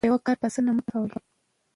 یوازې په یوه کار بسنه مه کوئ.